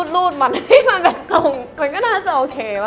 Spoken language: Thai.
รูดมาให้มาแบบมันก็น่าจะโอเค